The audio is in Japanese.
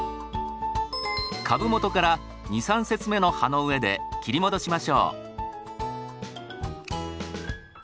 株元から２３節目の葉の上で切り戻しましょう。